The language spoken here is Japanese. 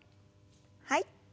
はい。